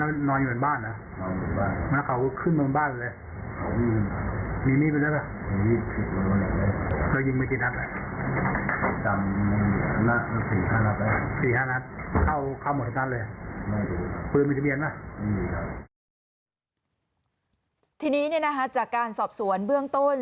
อากาศจากรายของพิทยาวะที่นี่จากการสอบสวนเบื้องต้น